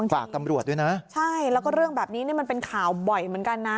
ฝากตำรวจด้วยนะใช่แล้วก็เรื่องแบบนี้นี่มันเป็นข่าวบ่อยเหมือนกันนะ